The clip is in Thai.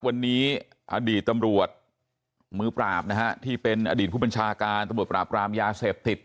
วันนี้อดีตตำรวจมือปราบนะฮะที่เป็นอดีตผู้บัญชาการตำรวจปราบรามยาเสพติด